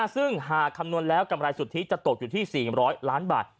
ซึ่งหากคำนวณแล้วกำไรสุทธิจะตกอยู่ที่๔๐๐ล้านบาท